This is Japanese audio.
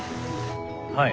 はい。